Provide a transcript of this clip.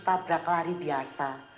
tabrak lari biasa